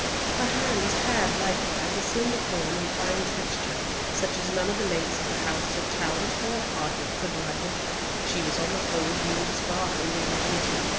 Her hands bad likewise a slender form and fine texture, such as none of the ladies of the houses of Talbot or Hardwicke could rival, but she was on the whole viewed as far from being a beauty.